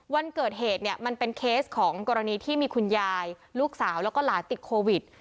วันเกิดเหตุเนี่ยมันเป็นเคสของกรณีที่มีคุณยายลูกสาวแล้วก็หลานติดโควิด